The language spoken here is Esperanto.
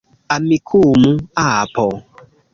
Amikumu, apo.